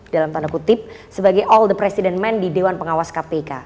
dalam tanda kutip sebagai all the president men di dewan pengawas kpk